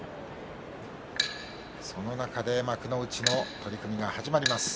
その中で幕内の取組が始まります。